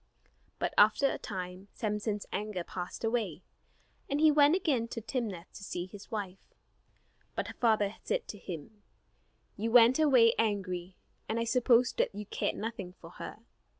But after a time Samson's anger passed away, and he went again to Timnath to see his wife. But her father said to him: "You went away angry, and I supposed that you cared nothing for her.